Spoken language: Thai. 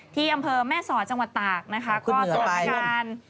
ที่อำเภอแม่ศรจังหวัดตากก็ตรับการ